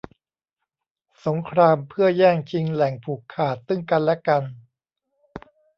สงครามเพื่อแย่งชิงแหล่งผูกขาดซึ่งกันและกัน